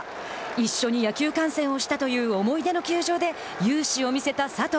一緒に野球観戦をしたという思い出の球場で雄姿を見せた佐藤。